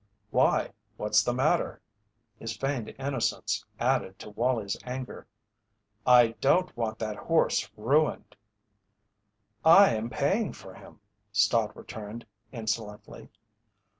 "Why, what's the matter?" His feigned innocence added to Wallie's anger. "I don't want that horse ruined." "I am paying for him," Stott returned, insolently.